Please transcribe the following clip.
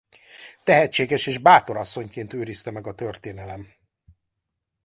Tehetséges és bátor asszonyként őrizte meg a történelem.